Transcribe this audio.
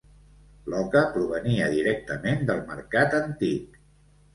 L'oca provenia directament del mercat antic.